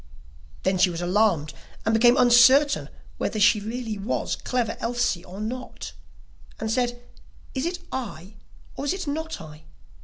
Then she was alarmed, and became uncertain whether she really was Clever Elsie or not, and said: 'Is it I, or is it not I?